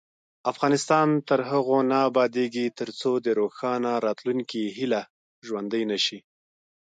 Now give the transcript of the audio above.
افغانستان تر هغو نه ابادیږي، ترڅو د روښانه راتلونکي هیله ژوندۍ نشي.